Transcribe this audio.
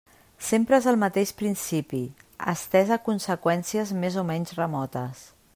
Sempre és el mateix principi, estès a conseqüències més o menys remotes.